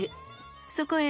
そこへ。